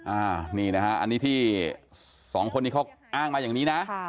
อันนี้ที่๒คนนี้เขาอ้างมาอย่างนี้นะ